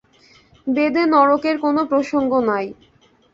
বেদে নরকের কোন প্রসঙ্গ নাই।